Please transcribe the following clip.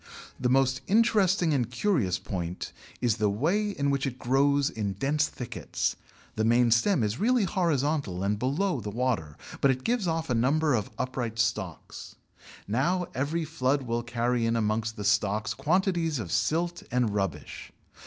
The most interesting and curious point is the way in which it grows in dense thickets; the main stem is really horizontal and below the water, but it gives off a number of upright stalks. Now every flood will carry in amongst the stalks quantities of silt and rubbish.